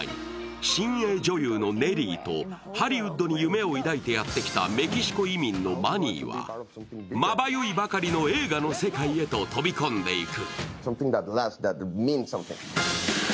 新鋭女優のネリーとハリウッドに夢を抱いてやってきたメキシコ移民のマニーはまばゆいばかりの映画の世界へ飛び込んでいく。